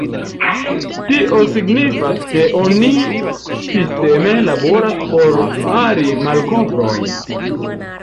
Tio signifas ke oni sisteme laboras por fari malkovrojn.